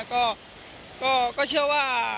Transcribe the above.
ก็เชื่อว่า